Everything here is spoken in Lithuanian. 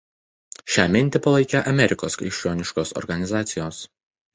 Šią mintį palaikė Amerikos krikščioniškos organizacijos.